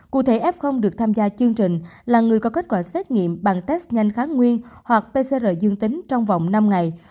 cụ thể f được tham gia chương trình là người có kết quả xét nghiệm bằng test nhanh kháng nguyên hoặc pcr dương tính trong vòng năm ngày